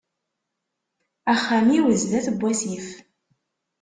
Axxam-iw sdat n wasif.